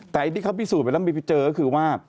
แต่ที่เขาพิสูจน์ไปแล้วไม่พิเศษก็คือว่า